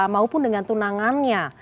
maupun dengan tunangannya